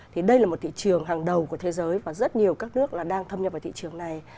thì đây là một thị trường hàng đầu của thế giới và rất nhiều các nước đang thâm nhập vào thị trường này